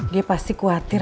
dia pasti khawatir